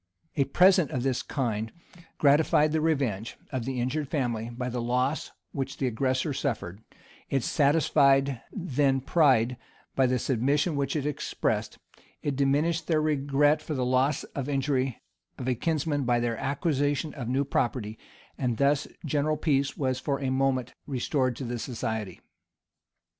] A present of this kind gratified the revenge of the injured family by the loss which the aggressor suffered: it satisfied then pride by the submission which it expressed: it diminished their regret for the loss or injury of a kinsman by their acquisition of new property; and thus general peace was for a moment restored to the society.